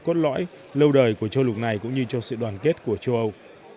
cốt lõi lâu đời của châu lục này cũng như cho sự đoàn kết của châu âu